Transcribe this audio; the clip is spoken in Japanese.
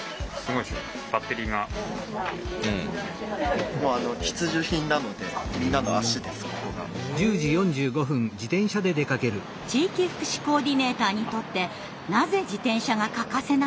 地域福祉コーディネーターにとってなぜ自転車が欠かせないかというと。